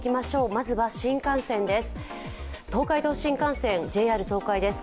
まずは新幹線です。